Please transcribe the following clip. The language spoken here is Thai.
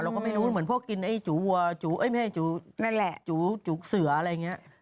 เราก็ไม่รู้เหมือนพวกกินจูกเสืออะไรอย่างนี้